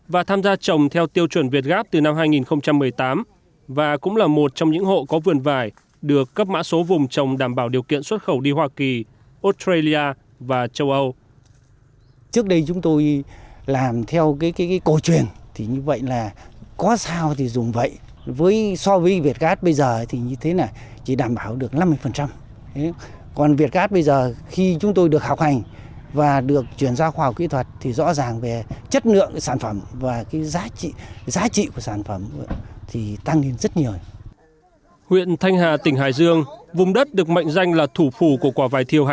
vùng đất được mệnh danh là thủ phủ của quả vài thiều hải dương hiện có gần bốn hectare trồng vải